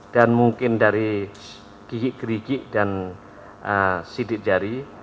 dan mungkin dari gigi gerigi dan sidik jari